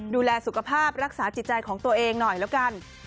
ดูแลสุขภาพรักษาจิตใจของตัวเองหน่อยแล้วกัน